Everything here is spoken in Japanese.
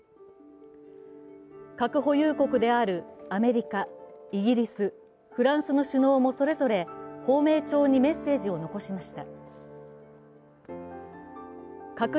核保有国であるアメリカ、イギリスフランスの首脳もそれぞれ芳名帳にメッセージを残しました。